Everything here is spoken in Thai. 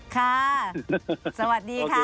ค่ะสวัสดีค่ะ